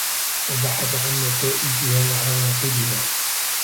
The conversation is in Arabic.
وَبَحَثَ عَنْ نَتَائِجِهَا وَعَوَاقِبِهَا